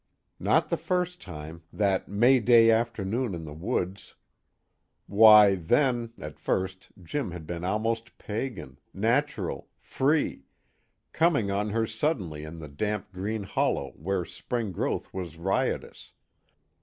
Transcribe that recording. Not the first time, that May Day afternoon in the woods why, then (at first) Jim had been almost pagan, natural, free, coming on her suddenly in the damp green hollow where spring growth was riotous.